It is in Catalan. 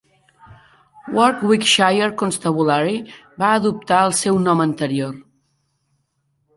Warwickshire Constabulary va adoptar el seu nom anterior.